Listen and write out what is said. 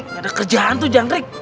nggak ada kerjaan tuh jangkrik